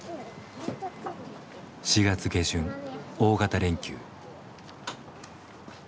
４月下旬大型連休。